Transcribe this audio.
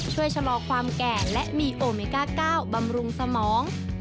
ชะลอความแก่และมีโอเมก้า๙บำรุงสมอง